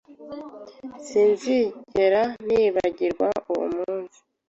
Sinzigera nibagirwa uwo munsi.